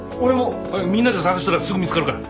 みんなで捜したらすぐ見つかるから。